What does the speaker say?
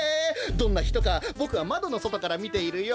どんなひとかボクはまどのそとからみているよ。